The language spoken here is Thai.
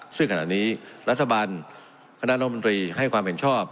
ซึ่งขณะนี้รัฐบาลคณะรัฐมนตรีให้ความเห็นชอบ